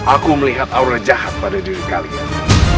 aku melihat aura jahat pada diri kalian